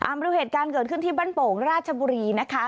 มาดูเหตุการณ์เกิดขึ้นที่บ้านโป่งราชบุรีนะคะ